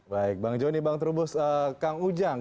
baik bang jonny bang turbus kang ujang